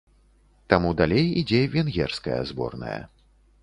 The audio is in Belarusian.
Таму далей ідзе венгерская зборная.